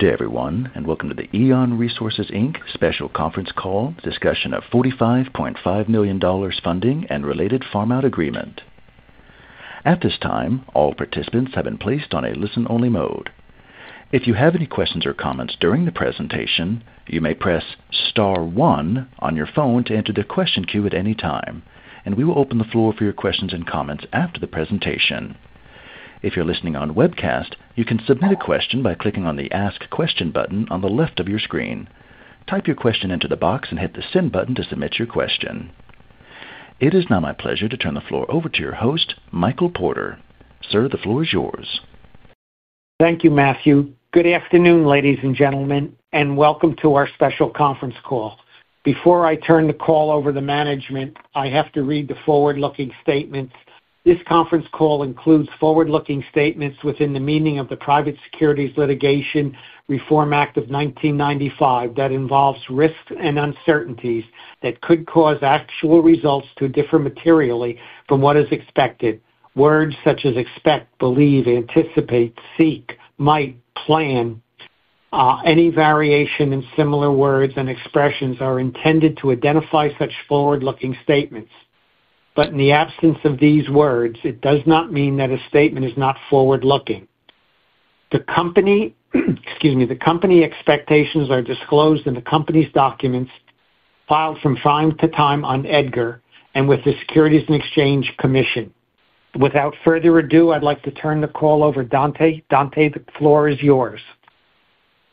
Good day, everyone, and welcome to the EON Resources Inc special conference call discussion of $45.5 million funding and related farm-out agreement. At this time, all participants have been placed on a listen-only mode. If you have any questions or comments during the presentation, you may press star one on your phone to enter the question queue at any time, and we will open the floor for your questions and comments after the presentation. If you're listening on webcast, you can submit a question by clicking on the ask question button on the left of your screen. Type your question into the box and hit the send button to submit your question. It is now my pleasure to turn the floor over to your host, Michael Porter. Sir, the floor is yours. Thank you, Matthew. Good afternoon, ladies and gentlemen, and welcome to our special conference call. Before I turn the call over to management, I have to read the forward-looking statements. This conference call includes forward-looking statements within the meaning of the Private Securities Litigation Reform Act of 1995 that involve risks and uncertainties that could cause actual results to differ materially from what is expected. Words such as expect, believe, anticipate, seek, might, plan, any variation in similar words and expressions are intended to identify such forward-looking statements. In the absence of these words, it does not mean that a statement is not forward-looking. The company expectations are disclosed in the company's documents filed from time to time on EDGAR and with the Securities and Exchange Commission. Without further ado, I'd like to turn the call over. Dante, the floor is yours.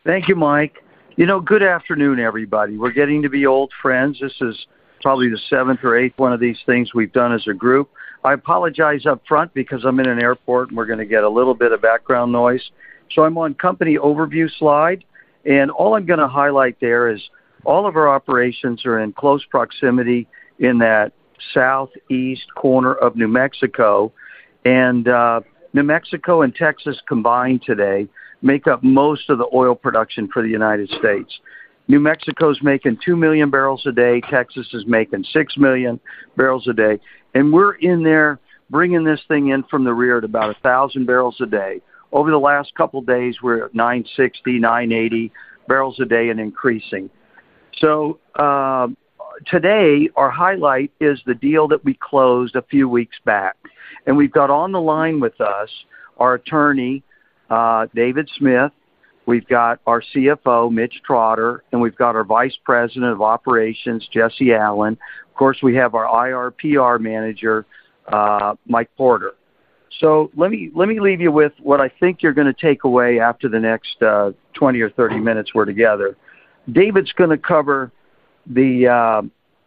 Thank you, Mike. Good afternoon, everybody. We're getting to be old friends. This is probably the seventh or eighth one of these things we've done as a group. I apologize upfront because I'm in an airport and we're going to get a little bit of background noise. I'm on the company overview slide, and all I'm going to highlight there is all of our operations are in close proximity in that Southeast corner of New Mexico, and New Mexico and Texas combined today make up most of the oil production for the United States. New Mexico is making 2 million barrels a day. Texas is making 6 million barrels a day, and we're in there bringing this thing in from the rear at about 1,000 barrels a day. Over the last couple of days, we're at 960, 980 barrels a day and increasing. Today, our highlight is the deal that we closed a few weeks back, and we've got on the line with us our Attorney, David Smith. We've got our CFO, Mitch Trotter, and we've got our Vice President of Operations, Jesse Allen. Of course, we have our IR/PR Manager, Mike Porter. Let me leave you with what I think you're going to take away after the next 20 or 30 minutes we're together. David's going to cover the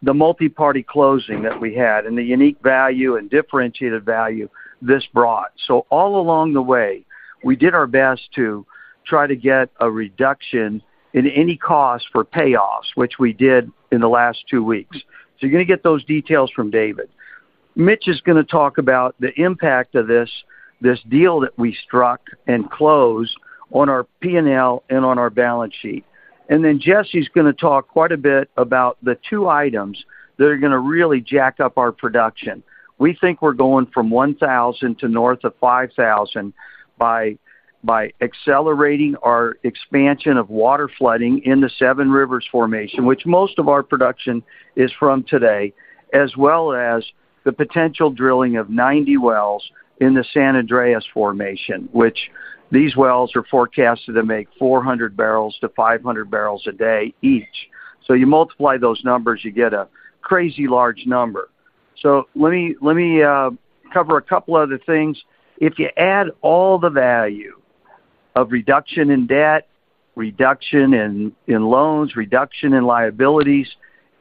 multiparty closing that we had and the unique value and differentiated value this brought. All along the way, we did our best to try to get a reduction in any costs for payoffs, which we did in the last two weeks. You're going to get those details from David. Mitch is going to talk about the impact of this deal that we struck and closed on our P&L and on our balance sheet. Jesse is going to talk quite a bit about the two items that are going to really jack up our production. We think we're going from 1,000 to north of 5,000 by accelerating our expansion of waterflood production in the Seven Rivers Formation, which most of our production is from today, as well as the potential drilling of 90 wells in the San Andres Formation, which these wells are forecasted to make 400 barrels-500 barrels a day each. You multiply those numbers, you get a crazy large number. Let me cover a couple of other things. If you add all the value of reduction in debt, reduction in loans, reduction in liabilities,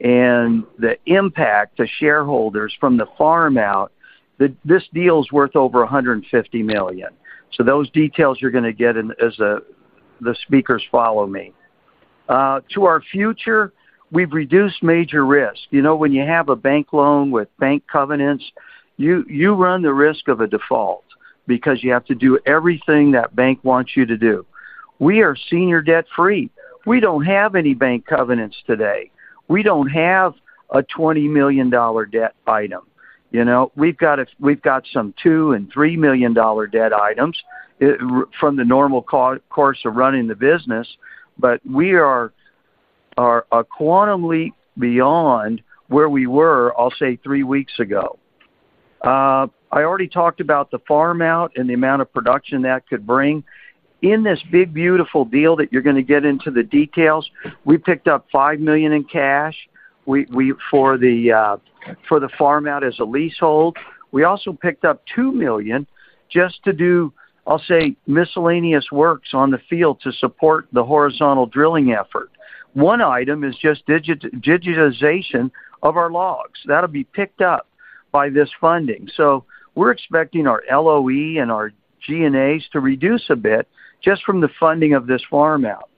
and the impact to shareholders from the farm-out agreement, this deal is worth over $150 million. Those details you're going to get as the speakers follow me. To our future, we've reduced major risks. You know, when you have a bank loan with bank covenants, you run the risk of a default because you have to do everything that bank wants you to do. We are senior debt-free. We don't have any bank covenants today. We don't have a $20 million debt item. We've got some $2 million and $3 million debt items from the normal course of running the business, but we are a quantum leap beyond where we were, I'll say, three weeks ago. I already talked about the farm-out and the amount of production that could bring. In this big, beautiful deal that you're going to get into the details, we picked up $5 million in cash for the farm-out as a leasehold. We also picked up $2 million just to do, I'll say, miscellaneous works on the field to support the horizontal drilling effort. One item is just digitization of our logs. That'll be picked up by this funding. We're expecting our LOE and our G&A to reduce a bit just from the funding of this farm-out.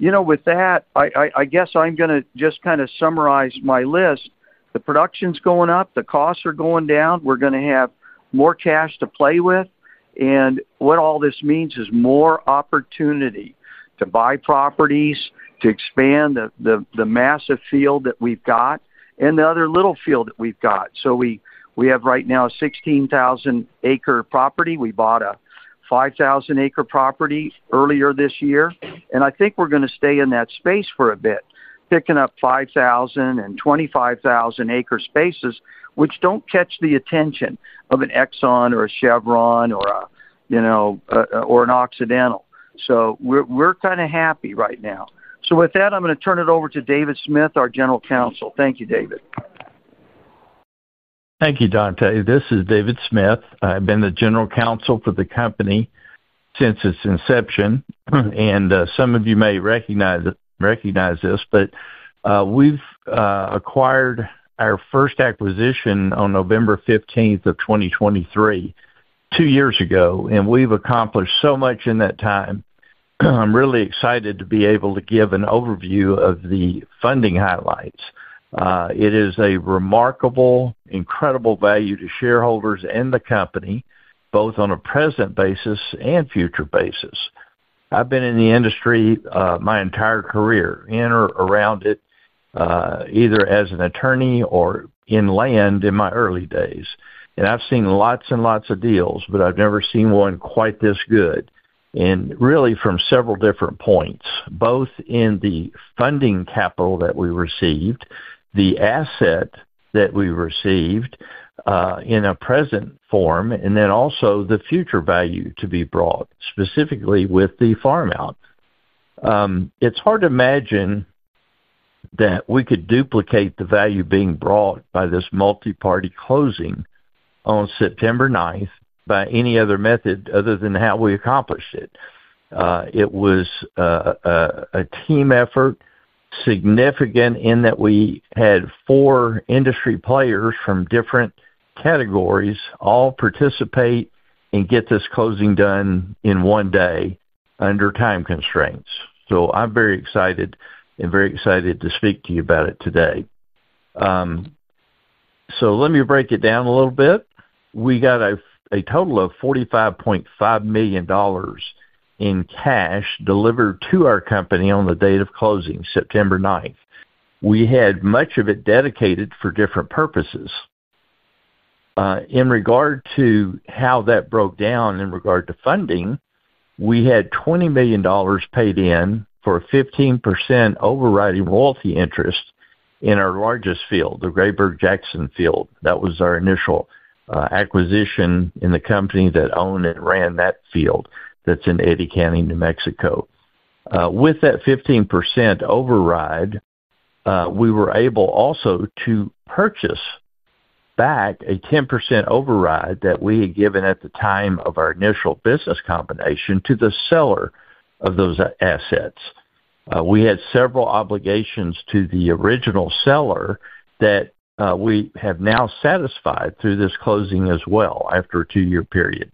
With that, I guess I'm going to just kind of summarize my list. The production is going up. The costs are going down. We're going to have more cash to play with. What all this means is more opportunity to buy properties, to expand the massive field that we've got, and the other little field that we've got. We have right now a 16,000-acre property. We bought a 5,000-acre property earlier this year, and I think we're going to stay in that space for a bit, picking up 5,000 and 25,000-acre spaces, which don't catch the attention of an Exxon or a Chevron or an Occidental. We're kind of happy right now. With that, I'm going to turn it over to David Smith, our General Counsel. Thank you, David. Thank you, Dante. This is David Smith. I've been the General Counsel for the company since its inception. Some of you may recognize this, but we've acquired our first acquisition on November 15, 2023, two years ago, and we've accomplished so much in that time. I'm really excited to be able to give an overview of the funding highlights. It is a remarkable, incredible value to shareholders and the company, both on a present basis and future basis. I've been in the industry my entire career, in or around it, either as an Attorney or in land in my early days. I've seen lots and lots of deals, but I've never seen one quite this good, really from several different points, both in the funding capital that we received, the asset that we received in a present form, and then also the future value to be brought, specifically with the farm-out. It's hard to imagine that we could duplicate the value being brought by this multiparty closing on September 9 by any other method other than how we accomplished it. It was a team effort, significant in that we had four industry players from different categories all participate and get this closing done in one day under time constraints. I'm very excited and very excited to speak to you about it today. Let me break it down a little bit. We got a total of $45.5 million in cash delivered to our company on the date of closing, September 9. We had much of it dedicated for different purposes. In regard to how that broke down in regard to funding, we had $20 million paid in for 15% overriding royalty interest in our largest field, the Grayburg-Jackson field. That was our initial acquisition in the company that owned and ran that field that's in Eddy County, New Mexico. With that 15% override, we were able also to purchase back a 10% override that we had given at the time of our initial business combination to the seller of those assets. We had several obligations to the original seller that we have now satisfied through this closing as well after a two-year period.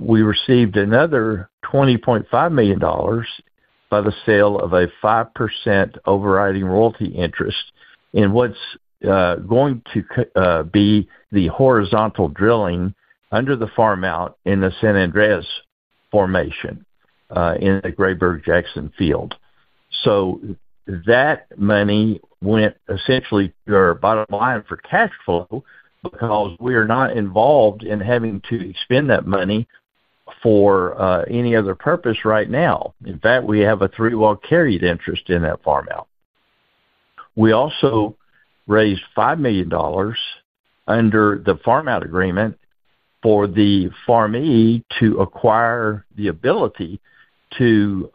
We received another $20.5 million by the sale of a 5% overriding royalty interest in what's going to be the horizontal drilling under the farm-out in the San Andres Formation in the Grayburg-Jackson field. That money went essentially to our bottom line for cash flow because we are not involved in having to expend that money for any other purpose right now. In fact, we have a three-wall carried interest in that farm-out. We also raised $5 million under the farm-out agreement for the farmer to acquire the ability to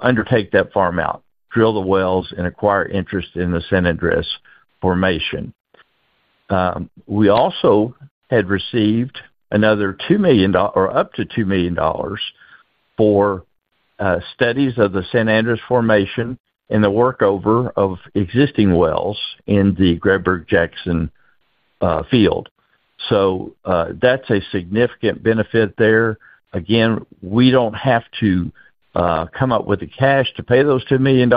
undertake that farm-out, drill the wells, and acquire interest in the San Andres Formation. We also had received another $2 million or up to $2 million for studies of the San Andres Formation and the workover of existing wells in the Grayburg-Jackson field. That's a significant benefit there. Again, we don't have to come up with the cash to pay those $2 million;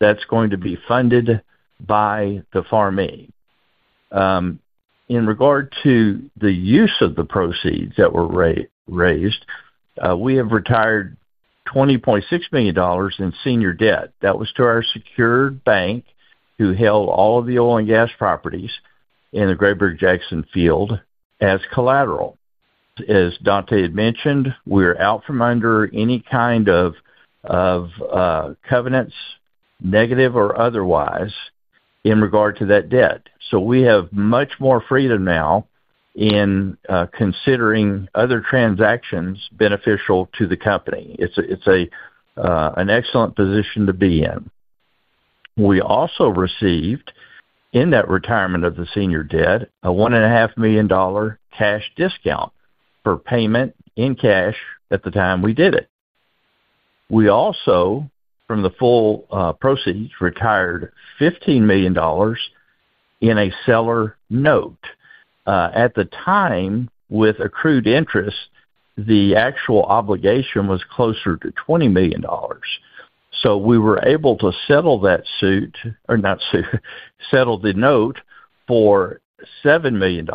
that's going to be funded by the farmer. In regard to the use of the proceeds that were raised, we have retired $20.6 million in senior debt. That was to our secured bank who held all of the oil and gas properties in the Grayburg-Jackson field as collateral. As Dante had mentioned, we're out from under any kind of covenants, negative or otherwise, in regard to that debt. We have much more freedom now in considering other transactions beneficial to the company. It's an excellent position to be in. We also received, in that retirement of the senior debt, a $1.5 million cash discount for payment in cash at the time we did it. From the full proceeds, we retired $15 million in a seller note. At the time, with accrued interest, the actual obligation was closer to $20 million. We were able to settle that note for $7 million,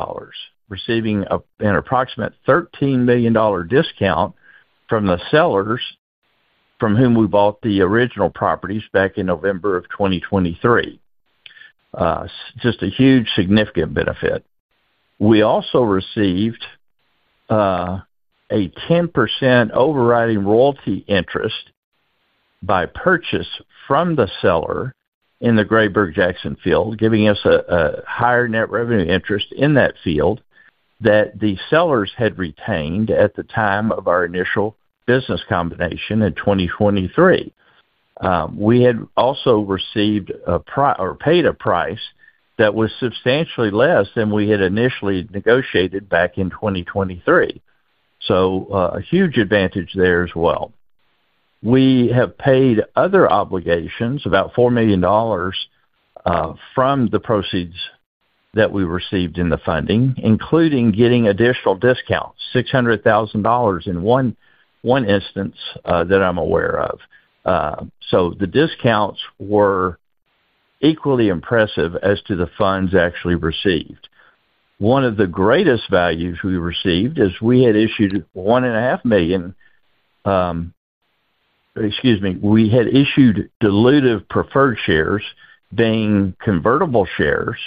receiving an approximate $13 million discount from the sellers from whom we bought the original properties back in November of 2023. Just a huge, significant benefit. We also received a 10% overriding royalty interest by purchase from the seller in the Grayburg-Jackson field, giving us a higher net revenue interest in that field that the sellers had retained at the time of our initial business combination in 2023. We had also received a price or paid a price that was substantially less than we had initially negotiated back in 2023. A huge advantage there as well. We have paid other obligations, about $4 million, from the proceeds that we received in the funding, including getting additional discounts, $600,000 in one instance that I'm aware of. The discounts were equally impressive as to the funds actually received. One of the greatest values we received is we had issued $1.5 million, excuse me, we had issued dilutive preferred shares being convertible shares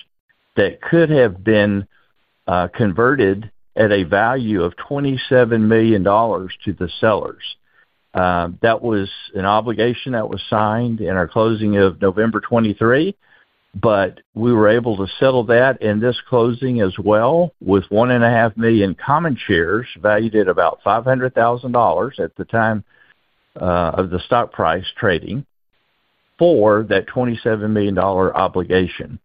that could have been converted at a value of $27 million to the sellers. That was an obligation that was signed in our closing of November 2023, but we were able to settle that in this closing as well with $1.5 million common shares valued at about $500,000 at the time of the stock price trading for that $27 million obligation.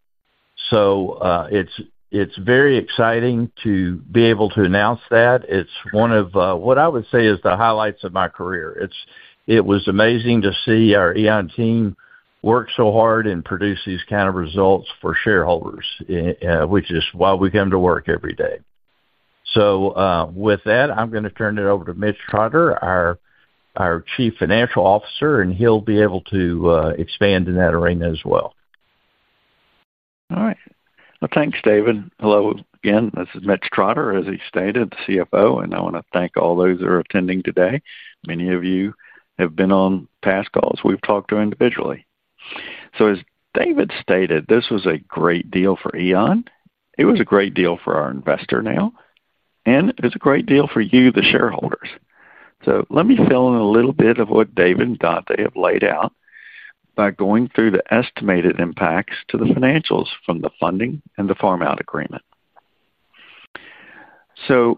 It is very exciting to be able to announce that. It is one of what I would say is the highlights of my career. It was amazing to see our EON team work so hard and produce these kind of results for shareholders, which is why we come to work every day. With that, I'm going to turn it over to Mitch Trotter, our Chief Financial Officer, and he'll be able to expand in that arena as well. All right. Thanks, David. Hello again. This is Mitch Trotter, as he stated, the CFO, and I want to thank all those that are attending today. Many of you have been on past calls. We've talked to individually. As David stated, this was a great deal for EON. It was a great deal for our investor now, and it was a great deal for you, the shareholders. Let me fill in a little bit of what David and Dante have laid out by going through the estimated impacts to the financials from the funding and the farm-out agreement.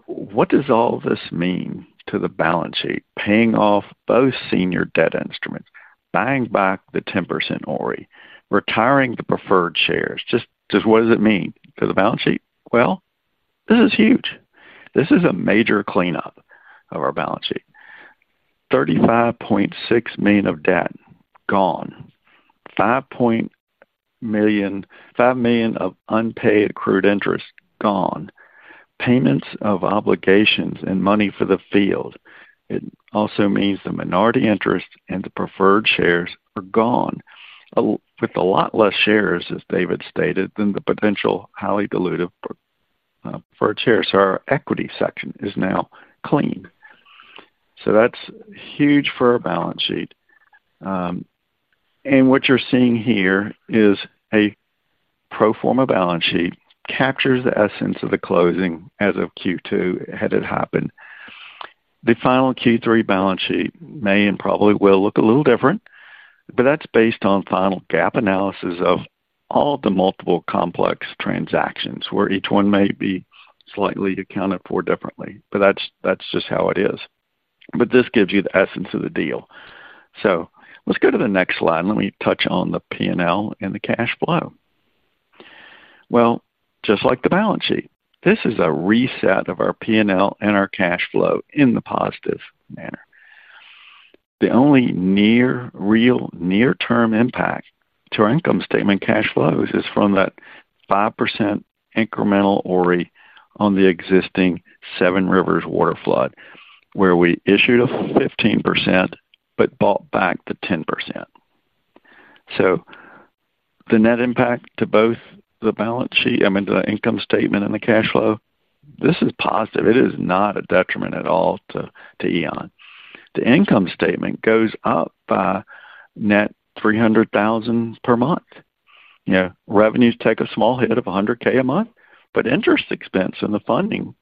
What does all of this mean to the balance sheet, paying off both senior debt instruments, buying back the 10% ORRI, retiring the preferred shares? Just what does it mean to the balance sheet? This is huge. This is a major cleanup of our balance sheet. $35.6 million of debt gone. $5 million of unpaid accrued interest gone. Payments of obligations and money for the field. It also means the minority interest and the preferred shares are gone. With a lot less shares, as David stated, than the potential highly dilutive preferred shares. Our equity section is now clean. That's huge for our balance sheet. What you're seeing here is a pro forma balance sheet that captures the essence of the closing as of Q2 had it happened. The final Q3 balance sheet may and probably will look a little different, but that's based on final GAAP analysis of all of the multiple complex transactions where each one may be slightly accounted for differently. That's just how it is. This gives you the essence of the deal. Let's go to the next slide. Let me touch on the P&L and the cash flow. Just like the balance sheet, this is a reset of our P&L and our cash flow in the positive manner. The only near real, near-term impact to our income statement cash flows is from that 5% incremental ORRI on the existing Seven Rivers waterflood, where we issued a 15% but bought back the 10%. The net impact to both the balance sheet, I mean the income statement and the cash flow, this is positive. It is not a detriment at all to EON. The income statement goes up by net $300,000 per month. Revenues take a small hit of $100,000 a month, but interest expense in the funding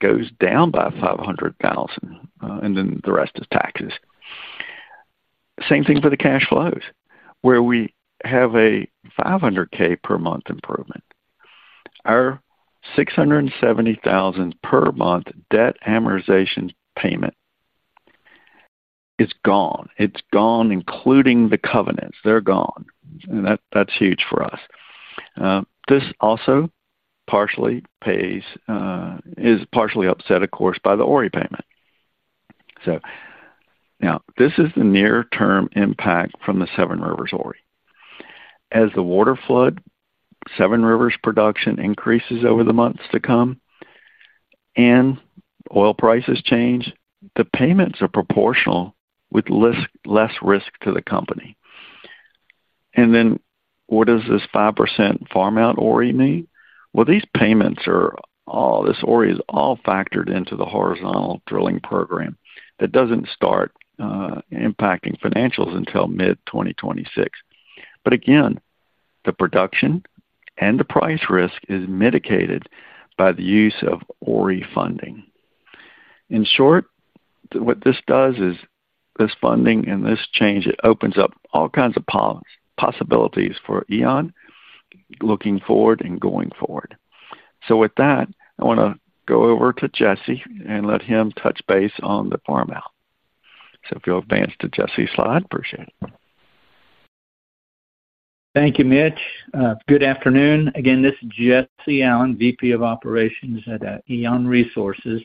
goes down by $500,000, and then the rest is taxes. Same thing for the cash flows, where we have a $500,000 per month improvement. Our $670,000 per month debt amortization payment is gone. It's gone, including the covenants. They're gone. That's huge for us. This also partially pays, is partially offset, of course, by the ORRI payment. This is the near-term impact from the Seven Rivers ORRI. As the waterflood, Seven Rivers production increases over the months to come, and oil prices change, the payments are proportional with less risk to the company. What does this 5% farm-out ORRI mean? These payments are all, this ORRI is all factored into the horizontal drilling program. It doesn't start impacting financials until mid-2026. The production and the price risk is mitigated by the use of ORRI funding. In short, what this does is this funding and this change, it opens up all kinds of possibilities for EON looking forward and going forward. With that, I want to go over to Jesse and let him touch base on the farm-out. If you'll advance to Jesse's slide, I'd appreciate it. Thank you, Mitch. Good afternoon. Again, this is Jesse Allen, VP of Operations at EON Resources.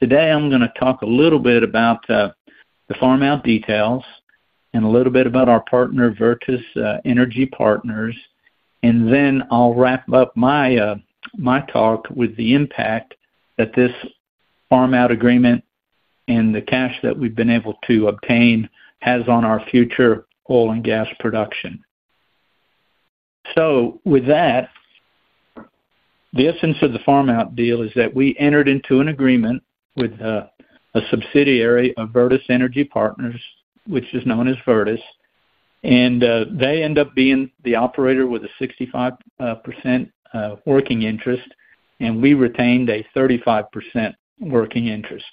Today, I'm going to talk a little bit about the farm-out details and a little bit about our partner, Virtus Energy Partners. I'll wrap up my talk with the impact that this farm-out agreement and the cash that we've been able to obtain has on our future oil and gas production. The essence of the farm-out deal is that we entered into an agreement with a subsidiary of Virtus Energy Partners, which is known as Virtus, and they end up being the operator with a 65% working interest, and we retained a 35% working interest.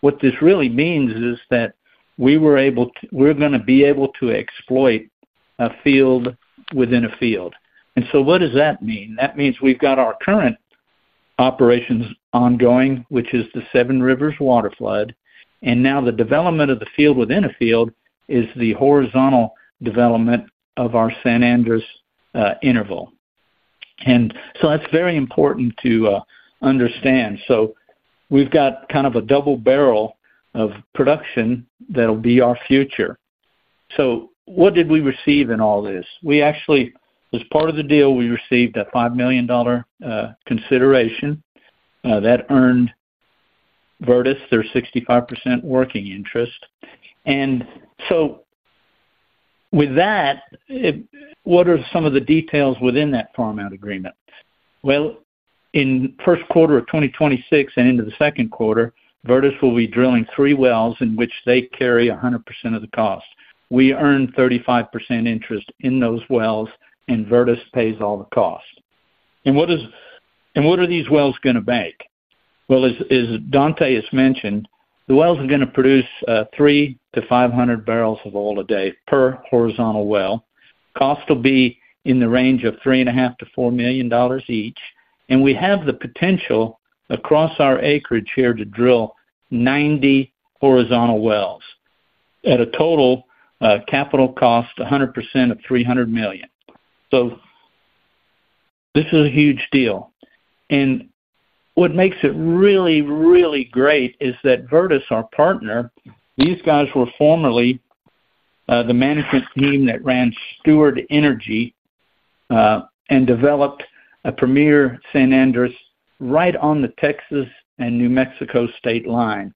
What this really means is that we are going to be able to exploit a field within a field. What does that mean? That means we've got our current operations ongoing, which is the Seven Rivers waterflood, and now the development of the field within a field is the horizontal development of our San Andres interval. That is very important to understand. We've got kind of a double barrel of production that'll be our future. What did we receive in all this? As part of the deal, we received a $5 million consideration. That earned Virtus their 65% working interest. What are some of the details within that farm-out agreement? In the first quarter of 2026 and into the second quarter, Virtus will be drilling three wells in which they carry 100% of the cost. We earn 35% interest in those wells, and Virtus pays all the cost. What are these wells going to make? As Dante has mentioned, the wells are going to produce 300-500 barrels of oil per day per horizontal well. Cost will be in the range of $3.5 million-$4 million each. We have the potential across our acreage here to drill 90 horizontal wells at a total capital cost of 100% of $300 million. This is a huge deal. What makes it really great is that Virtus, our partner, these guys were formerly the management team that ran Steward Energy and developed a premier San Andres right on the Texas and New Mexico state line.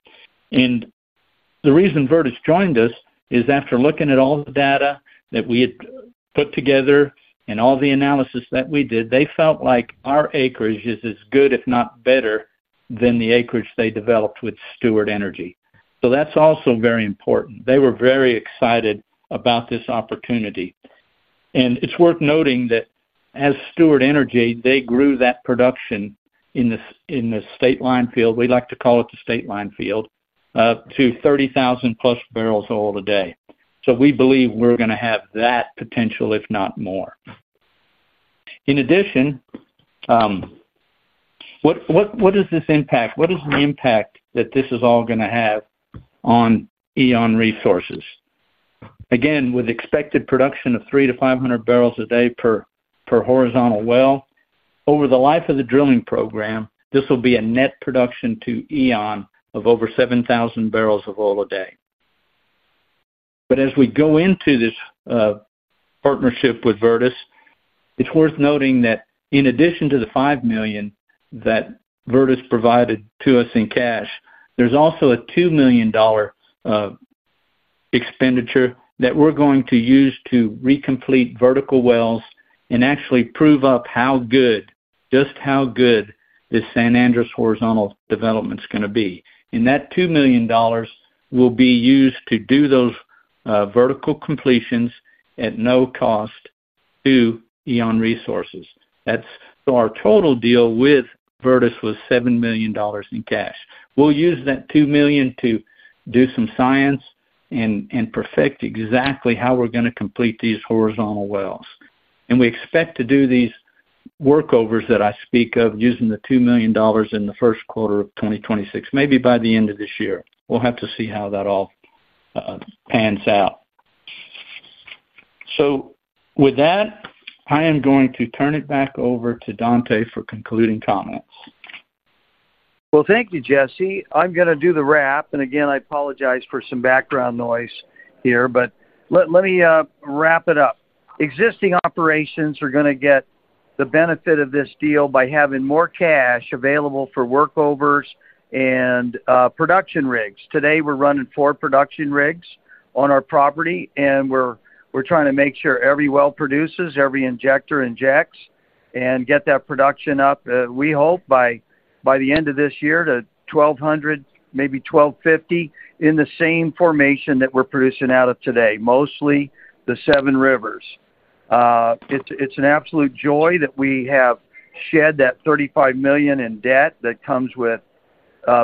The reason Virtus joined us is after looking at all the data that we had put together and all the analysis that we did, they felt like our acreage is as good, if not better, than the acreage they developed with Steward Energy. That is also very important. They were very excited about this opportunity. It is worth noting that as Steward Energy, they grew that production in the state line field, we like to call it the state line field, to 30,000+ barrels of oil a day. We believe we're going to have that potential, if not more. In addition, what does this impact? What is the impact that this is all going to have on EON Resources? Again, with expected production of 300-500 barrels a day per horizontal well, over the life of the drilling program, this will be a net production to EON of over 7,000 barrels of oil a day. As we go into this partnership with Virtus, it is worth noting that in addition to the $5 million that Virtus provided to us in cash, there is also a $2 million expenditure that we're going to use to recomplete vertical wells and actually prove up how good, just how good, this San Andres horizontal development is going to be. That $2 million will be used to do those vertical completions at no cost to EON Resources. Our total deal with Virtus was $7 million in cash. We'll use that $2 million to do some science and perfect exactly how we're going to complete these horizontal wells. We expect to do these workovers that I speak of using the $2 million in the first quarter of 2026, maybe by the end of this year. We'll have to see how that all pans out. With that, I am going to turn it back over to Dante for concluding comments. Thank you, Jesse. I'm going to do the wrap. I apologize for some background noise here, but let me wrap it up. Existing operations are going to get the benefit of this deal by having more cash available for workovers and production rigs. Today, we're running four production rigs on our property, and we're trying to make sure every well produces, every injector injects, and get that production up, we hope, by the end of this year to 1,200, maybe 1,250 in the same formation that we're producing out of today, mostly the Seven Rivers. It's an absolute joy that we have shed that $35 million in debt that comes with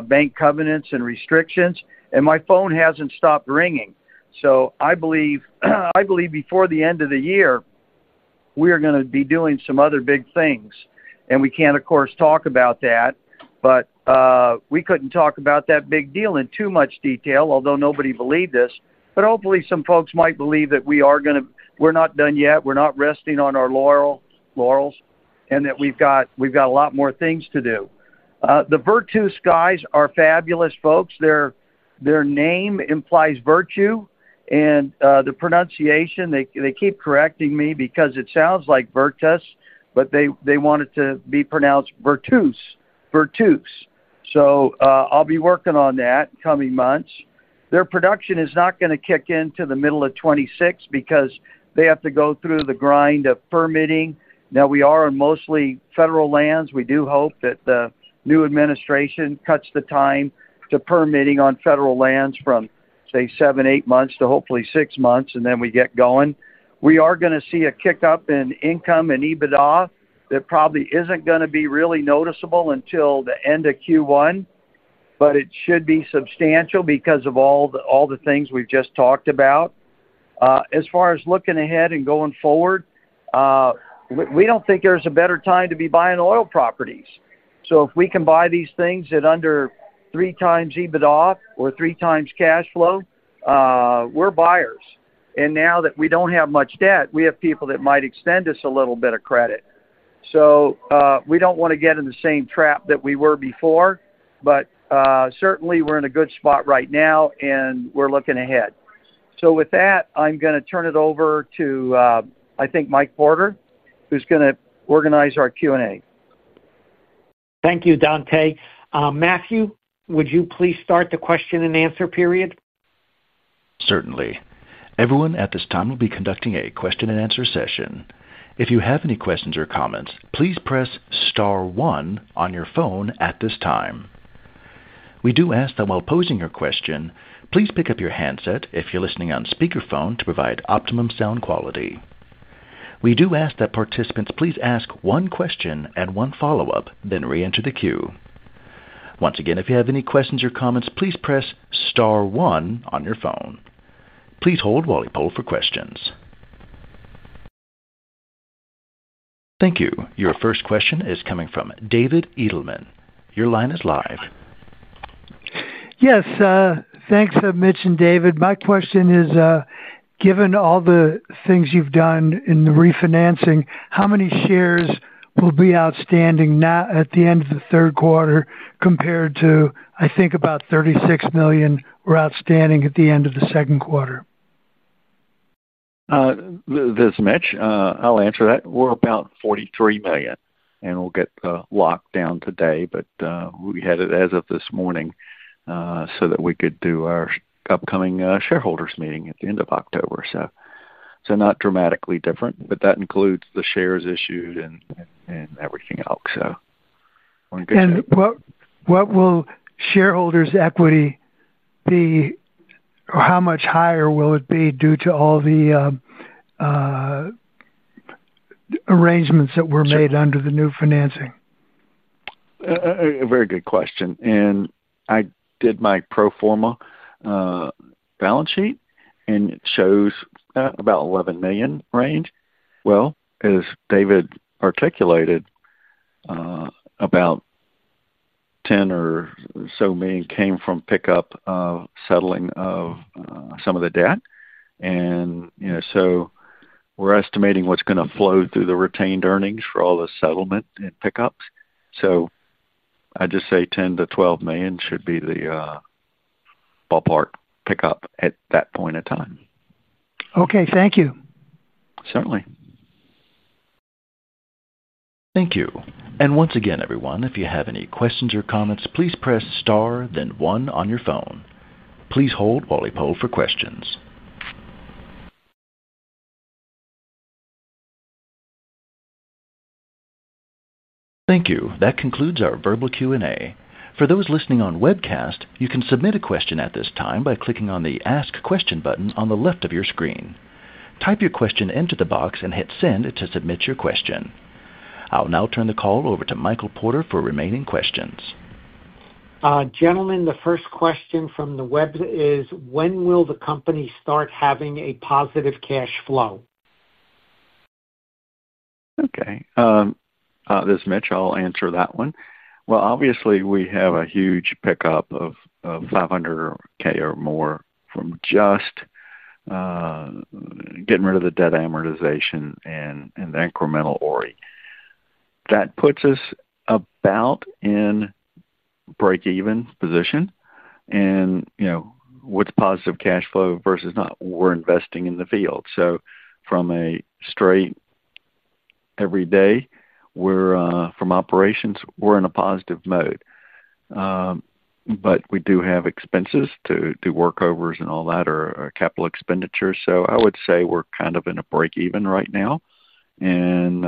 bank covenants and restrictions, and my phone hasn't stopped ringing. I believe, before the end of the year, we are going to be doing some other big things. We can't, of course, talk about that, but we couldn't talk about that big deal in too much detail, although nobody believed this. Hopefully, some folks might believe that we are going to, we're not done yet. We're not resting on our laurels, and we've got a lot more things to do. The Virtus guys are fabulous folks. Their name implies virtue, and the pronunciation, they keep correcting me because it sounds like Virtus, but they want it to be pronounced Virtus, Virtus. I'll be working on that coming months. Their production is not going to kick into the middle of 2026 because they have to go through the grind of permitting. We are on mostly federal lands. We do hope that the new administration cuts the time to permitting on federal lands from, say, seven, eight months to hopefully six months, and then we get going. We are going to see a kick-up in income and EBITDA that probably isn't going to be really noticeable until the end of Q1, but it should be substantial because of all the things we've just talked about. As far as looking ahead and going forward, we don't think there's a better time to be buying oil properties. If we can buy these things at under 3x EBITDA or 3x cash flow, we're buyers. Now that we don't have much debt, we have people that might extend us a little bit of credit. We don't want to get in the same trap that we were before, but certainly, we're in a good spot right now, and we're looking ahead. With that, I'm going to turn it over to, I think, Mike Porter, who's going to organize our Q&A. Thank you, Dante. Matthew, would you please start the question and answer period? Certainly. Everyone, at this time we will be conducting a question and answer session. If you have any questions or comments, please press star one on your phone at this time. We do ask that while posing your question, please pick up your handset if you're listening on speakerphone to provide optimum sound quality. We do ask that participants please ask one question and one follow-up, then reenter the queue. Once again, if you have any questions or comments, please press star one on your phone. Please hold while we poll for questions. Thank you. Your first question is coming from David [Edelman]. Your line is live. Yes. Thanks for mentioning, David. My question is, given all the things you've done in the refinancing, how many shares will be outstanding now at the end of the third quarter compared to, I think, about $36 million were outstanding at the end of the second quarter? This is Mitch, I'll answer that. We're about $43 million, and we'll get locked down today, but we had it as of this morning so that we could do our upcoming shareholders' meeting at the end of October. Not dramatically different, but that includes the shares issued and everything else. We're in good shape. What will shareholders' equity be, or how much higher will it be due to all the arrangements that were made under the new financing? A very good question. I did my pro forma balance sheet, and it shows about $11 million range. As David articulated, about $10 million or so came from pickup of settling of some of the debt. We're estimating what's going to flow through the retained earnings for all the settlement and pickups. I'd just say $10 million-$12 million should be the ballpark pickup at that point in time. Okay, thank you. Certainly. Thank you. Once again, everyone, if you have any questions or comments, please press star then one on your phone. Please hold while we poll for questions. Thank you. That concludes our verbal Q&A. For those listening on webcast, you can submit a question at this time by clicking on the ask question button on the left of your screen. Type your question into the box and hit send to submit your question. I'll now turn the call over to Michael Porter for remaining questions. Gentlemen, the first question from the web is, when will the company start having a positive cash flow? Okay. This is Mitch. I'll answer that one. Obviously, we have a huge pickup of $500,000 or more from just getting rid of the debt amortization and the incremental ORRI. That puts us about in a break-even position. You know, what's positive cash flow versus not? We're investing in the field. From a straight every day, from operations, we're in a positive mode. We do have expenses to do workovers and all that or capital expenditures. I would say we're kind of in a break-even right now in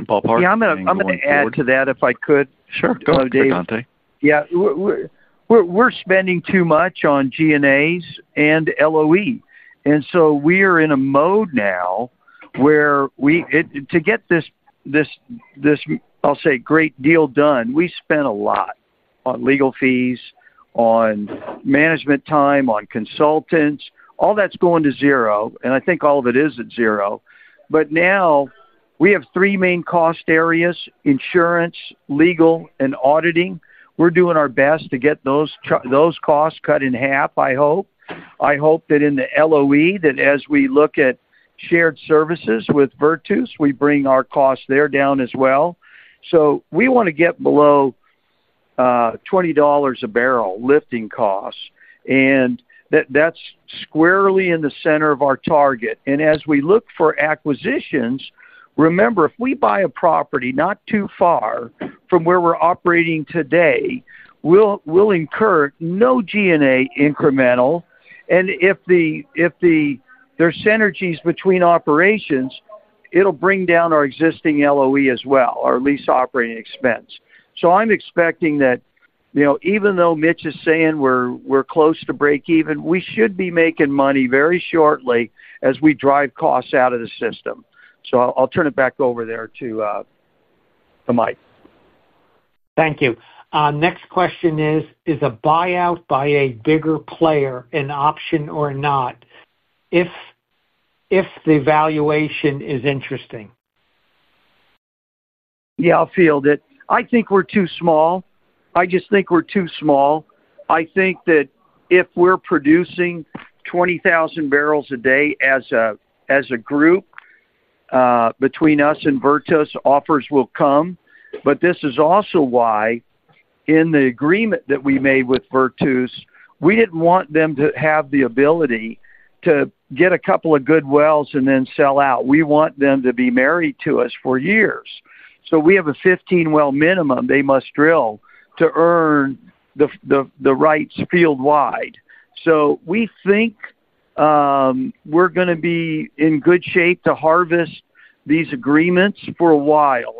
ballpark. Yeah, I'm going to add to that if I could. Sure. Go ahead, Dante. Yeah. We're spending too much on G&As and LOE. We are in a mode now where to get this, I'll say, great deal done, we spent a lot on legal fees, on management time, on consultants. All that's going to zero. I think all of it is at zero. Now we have three main cost areas: insurance, legal, and auditing. We're doing our best to get those costs cut in half, I hope. I hope that in the LOE, as we look at shared services with Virtus, we bring our costs there down as well. We want to get below $20 a barrel lifting costs. That's squarely in the center of our target. As we look for acquisitions, remember, if we buy a property not too far from where we're operating today, we'll incur no G&A incremental. If there's synergies between operations, it'll bring down our existing LOE as well, our lease operating expense. I'm expecting that, you know, even though Mitch is saying we're close to break-even, we should be making money very shortly as we drive costs out of the system. I'll turn it back over there to Mike. Thank you. Next question is, is a buyout by a bigger player an option or not if the valuation is interesting? Yeah, I'll field it. I think we're too small. I just think we're too small. I think that if we're producing 20,000 barrels a day as a group, between us and Virtus, offers will come. This is also why in the agreement that we made with Virtus, we didn't want them to have the ability to get a couple of good wells and then sell out. We want them to be married to us for years. We have a 15-well minimum they must drill to earn the rights field-wide. We think we're going to be in good shape to harvest these agreements for a while.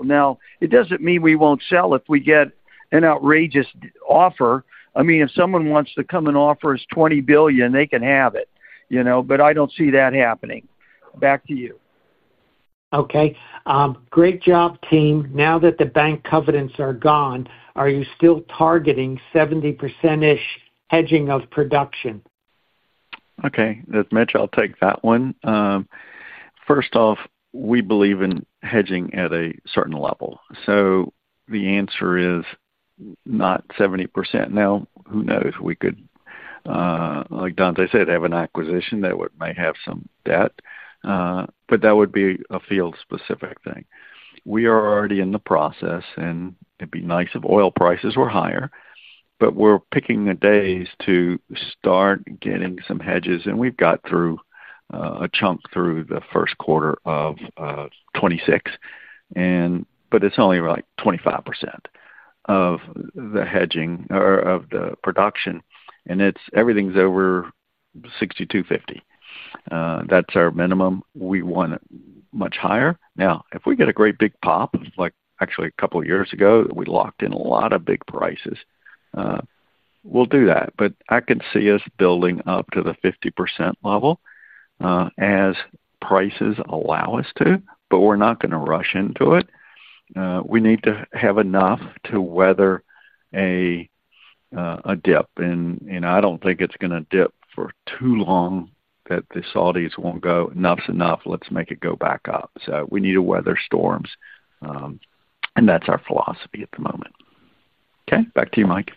It doesn't mean we won't sell if we get an outrageous offer. I mean, if someone wants to come and offer us $20 billion, they can have it. You know, but I don't see that happening. Back to you. Okay. Great job, team. Now that the bank covenants are gone, are you still targeting 70%‑ish hedging of production? Okay. This is Mitch. I'll take that one. First off, we believe in hedging at a certain level. The answer is not 70%. Now, who knows? We could, like Dante said, have an acquisition that may have some debt. That would be a field-specific thing. We are already in the process, and it'd be nice if oil prices were higher, but we're picking the days to start getting some hedges. We've got through a chunk through the first quarter of 2026, but it's only like 25% of the hedging or of the production. Everything's over $62.50. That's our minimum. We want it much higher. If we get a great big pop, like actually a couple of years ago, that we locked in a lot of big prices, we'll do that. I can see us building up to the 50% level as prices allow us to, but we're not going to rush into it. We need to have enough to weather a dip. I don't think it's going to dip for too long that the Saudis won't go, "Enough's enough. Let's make it go back up." We need to weather storms. That's our philosophy at the moment. Okay. Back to you, Mike.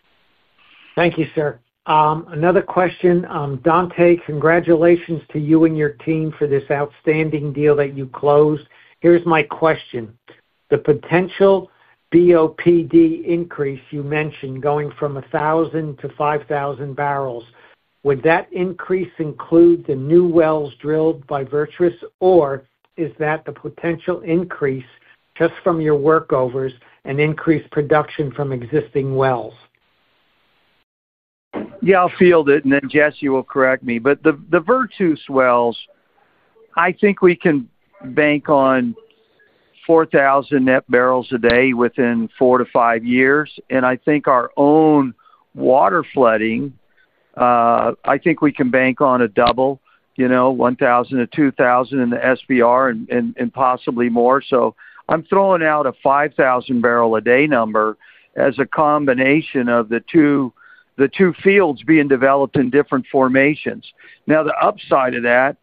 Thank you, sir. Another question. Dante, congratulations to you and your team for this outstanding deal that you closed. Here's my question. The potential BOPD increase you mentioned going from 1,000 to 5,000 barrels, would that increase include the new wells drilled by Virtus, or is that the potential increase just from your workovers and increased production from existing wells? Yeah, I'll field it, and then Jesse will correct me. The Virtus wells, I think we can bank on 4,000 net barrels a day within four to five years. I think our own water flooding, I think we can bank on a double, you know, 1,000 to 2,000 in the SBR and possibly more. I'm throwing out a 5,000 barrel a day number as a combination of the two fields being developed in different formations. The upside of that,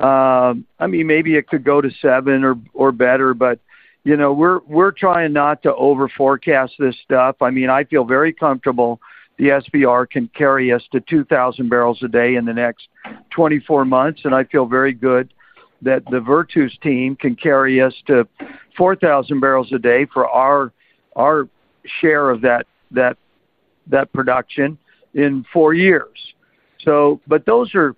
I mean, maybe it could go to seven or better, but you know we're trying not to overforecast this stuff. I feel very comfortable the SBR can carry us to 2,000 barrels a day in the next 24 months. I feel very good that the Virtus team can carry us to 4,000 barrels a day for our share of that production in four years. Those are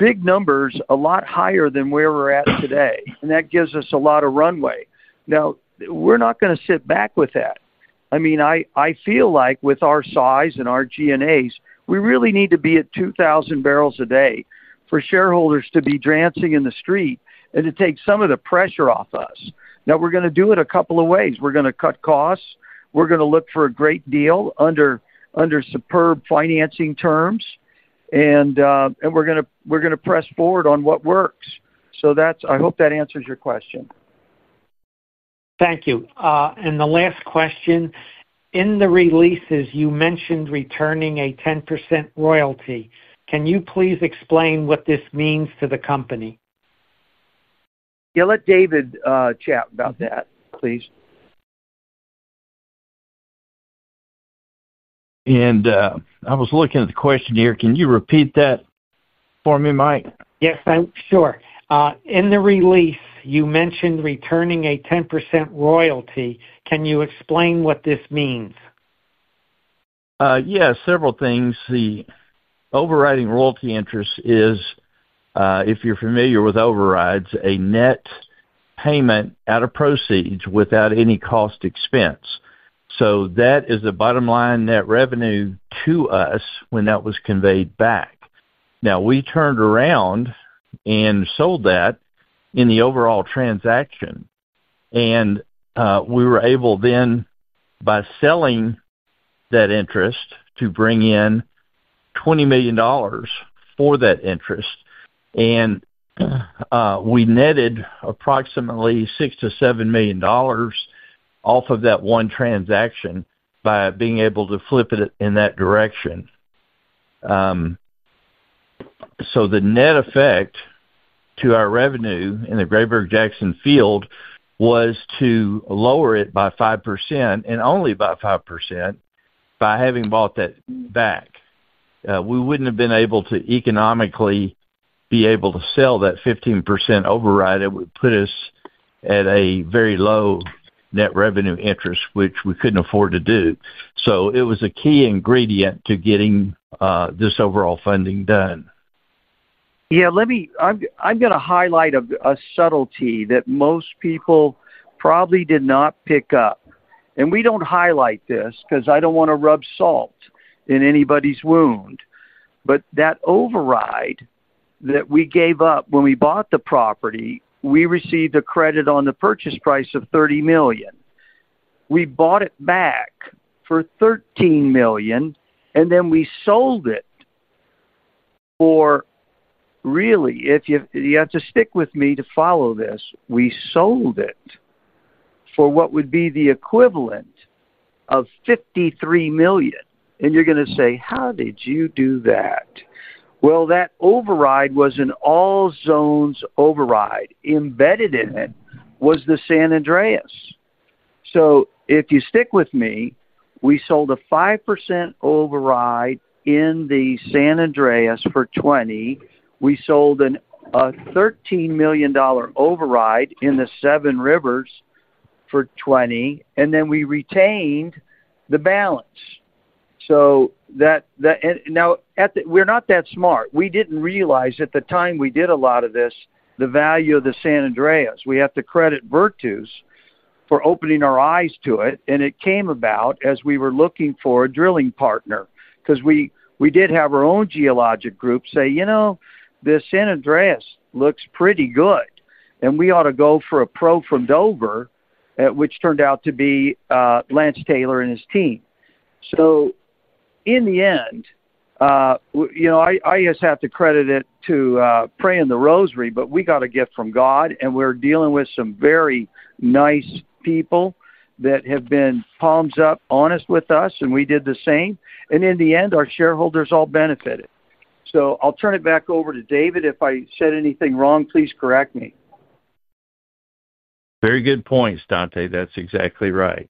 big numbers, a lot higher than where we're at today. That gives us a lot of runway. We're not going to sit back with that. I feel like with our size and our G&As, we really need to be at 2,000 barrels a day for shareholders to be dancing in the street and to take some of the pressure off us. We're going to do it a couple of ways. We're going to cut costs. We're going to look for a great deal under superb financing terms. We're going to press forward on what works. I hope that answers your question. Thank you. The last question. In the releases, you mentioned returning a 10% royalty. Can you please explain what this means to the company? Yeah, let David chat about that, please. I was looking at the question here. Can you repeat that for me, Mike? Yes, I'm sure. In the release, you mentioned returning a 10% royalty. Can you explain what this means? Yeah, several things. The overriding royalty interest is, if you're familiar with overrides, a net payment out of proceeds without any cost expense. That is the bottom line net revenue to us when that was conveyed back. We turned around and sold that in the overall transaction. We were able, by selling that interest, to bring in $20 million for that interest. We netted approximately $6 million-$7 million off of that one transaction by being able to flip it in that direction. The net effect to our revenue in the Grayburg-Jackson field was to lower it by 5% and only by 5% by having bought that back. We wouldn't have been able to economically be able to sell that 15% override. It would put us at a very low net revenue interest, which we couldn't afford to do. It was a key ingredient to getting this overall funding done. Let me highlight a subtlety that most people probably did not pick up. We do not highlight this because I do not want to rub salt in anybody's wound. That override that we gave up when we bought the property, we received a credit on the purchase price of $30 million. We bought it back for $13 million, and then we sold it for what would be the equivalent of $53 million. You are going to say, "How did you do that?" That override was an all-zones override. Embedded in it was the San Andres. If you stick with me, we sold a 5% override in the San Andres for $20 million. We sold a $13 million override in the Seven Rivers for $20 million, and then we retained the balance. We are not that smart. We did not realize at the time we did a lot of this, the value of the San Andres. We have to credit Virtus for opening our eyes to it. It came about as we were looking for a drilling partner because we did have our own geologic group say, "You know, the San Andres looks pretty good, and we ought to go for a pro from Dover," which turned out to be Lance Taylor and his team. In the end, I just have to credit it to praying the rosary, but we got a gift from God, and we are dealing with some very nice people that have been palms up honest with us, and we did the same. In the end, our shareholders all benefited. I will turn it back over to David. If I said anything wrong, please correct me. Very good points, Dante. That's exactly right.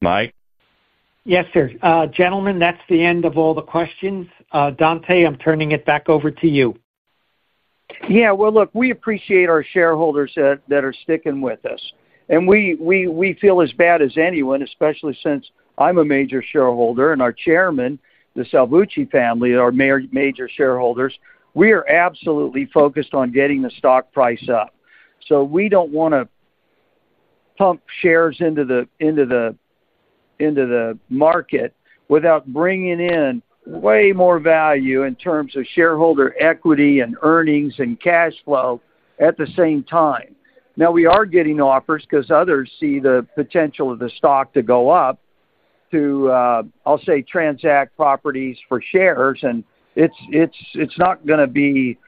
Mike? Yes, sir. Gentlemen, that's the end of all the questions. Dante, I'm turning it back over to you. Yeah. Look, we appreciate our shareholders that are sticking with us. We feel as bad as anyone, especially since I'm a major shareholder and our Chairman, the Salvucci family, are major shareholders. We are absolutely focused on getting the stock price up. We don't want to pump shares into the market without bringing in way more value in terms of shareholder equity and earnings and cash flow at the same time. We are getting offers because others see the potential of the stock to go up to, I'll say, transact properties for shares, and it's not going to be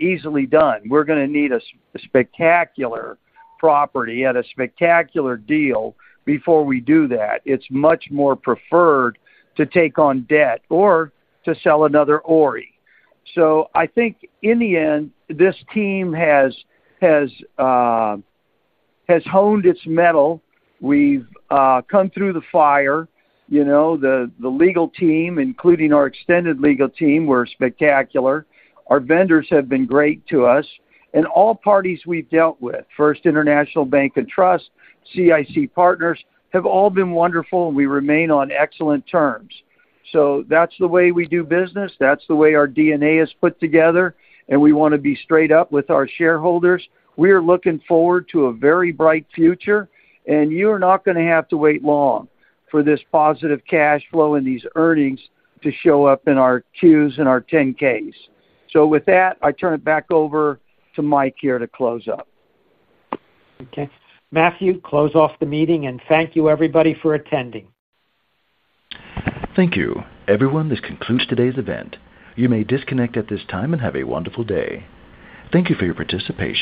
easily done. We're going to need a spectacular property at a spectacular deal before we do that. It's much more preferred to take on debt or to sell another ORRI. I think in the end, this team has honed its mettle. We've come through the fire. The legal team, including our extended legal team, were spectacular. Our vendors have been great to us. All parties we've dealt with, First International Bank & Trust, CIC Partners, have all been wonderful, and we remain on excellent terms. That's the way we do business. That's the way our DNA is put together. We want to be straight up with our shareholders. We are looking forward to a very bright future. You are not going to have to wait long for this positive cash flow and these earnings to show up in our Qs and our 10-Ks. With that, I turn it back over to Mike here to close up. Okay. Matthew, close off the meeting, and thank you, everybody, for attending. Thank you. Everyone, this concludes today's event. You may disconnect at this time and have a wonderful day. Thank you for your participation.